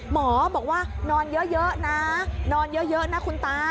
หมอบอกว่านอนเยอะนะนอนเยอะนะคุณตา